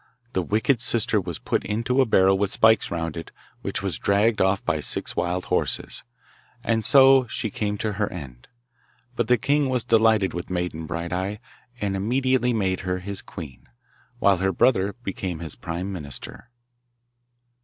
The wicked sister was put into a barrel with spikes round it which was dragged off by six wild horses, and so she came to her end.:But the king was delighted with Maiden Bright eye, and immediately made her his queen, while her brother became his prime minister.